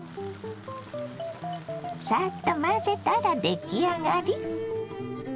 サッと混ぜたら出来上がり。